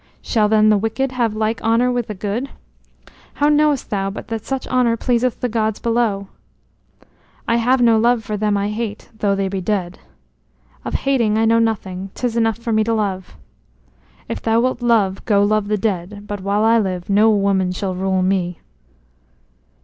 "Shall then the wicked have like honor with the good?" "How knowest thou but that such honor pleaseth the gods below?" "I have no love for them I hate, though they be dead." "Of hating I know nothing; 'tis enough for me to love." "If thou wilt love, go love the dead. But while I live no woman shall rule me."